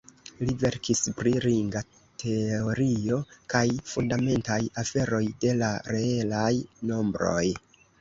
Li verkis pri ringa teorio kaj fundamentaj aferoj de la reelaj nombroj.